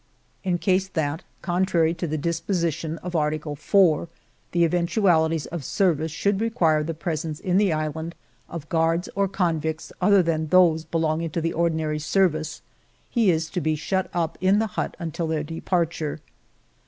" In case that, contrary to the disposition of Article 4, the eventualities of service should require the presence in the island of guards or convicts other than those belong ing to the ordinary service, he is to be shut up in the hut until their departure.